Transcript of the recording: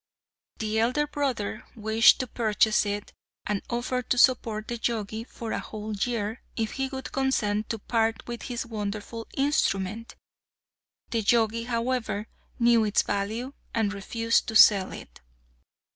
The elder brother wished to purchase it, and offered to support the Jogi for a whole year if he would consent to part with his wonderful instrument. The Jogi, however, knew its value, and refused to sell it.